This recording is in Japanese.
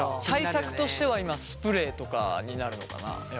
対策としては今スプレーとかになるのかな？